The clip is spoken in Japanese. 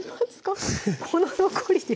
この残りで？